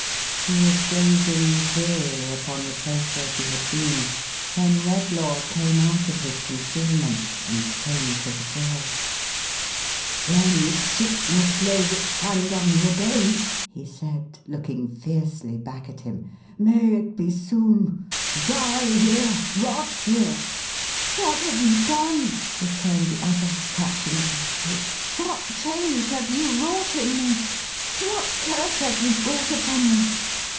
He was gazing drearily upon the place where she had been, when Redlaw came out of his concealment, and came to the door. "When sickness lays its hand on you again," he said, looking fiercely back at him, "— may it be soon !— Die here ! Rot here !"" What have you done ?" returned the other, catching at his cloak. " What change have you wrought in me ? What curse have you brought upon me?